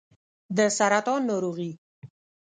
د سرطان ناروغي